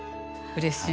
うれしい。